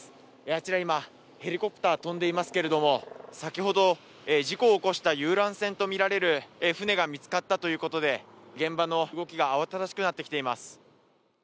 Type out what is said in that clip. あちら、今、ヘリコプター飛んでいますけど、先ほど事故を起こした遊覧船とみられる船が見つかったということで現場の動きが慌ただしくなってきています。